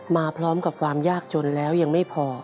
มาพร้อมกับความยากจนแล้วยังไม่พอ